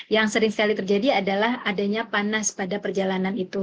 yang sering sekali terjadi adalah adanya panas pada perjalanan itu